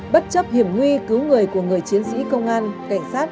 bất chấp hiểm nguy cứu người của người chiến sĩ công an cảnh sát